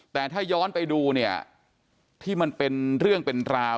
แต่ถ้าย้อนไปดูเนี่ยที่มันเป็นเรื่องเป็นราว